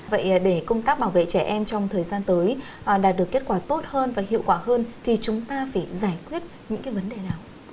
vậy để công tác bảo vệ trẻ em trong thời gian tới đạt được kết quả tốt hơn và hiệu quả hơn thì chúng ta phải giải quyết những cái vấn đề nào